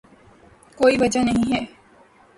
کوئی وجہ نہیں ہے۔